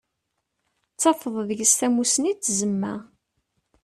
Dd tafeḍ deg-s tamusni d tzemna.